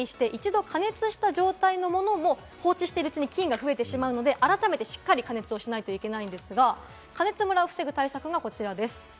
調理して一度加熱した状態のものを放置して、菌が増えてしまうので、改めてしっかり加熱しないといけないんですが、対策がこちらです。